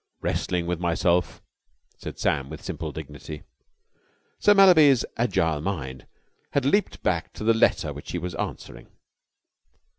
"Wrestling with myself," said Sam with simple dignity. Sir Mallaby's agile mind had leaped back to the letter which he was answering.